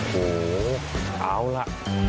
โหเอาล่ะ